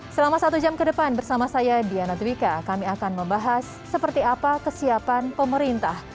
selama satu jam ke depan bersama saya diana twika kami akan membahas seperti apa kesiapan pemerintah